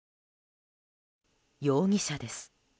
容疑者です。